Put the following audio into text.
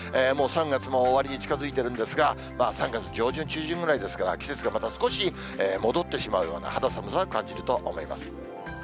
もう３月も終わりに近づいてるんですが、３月上旬、中旬ぐらいですから、季節がまた少し戻ってしまうような肌寒さ感じると思います。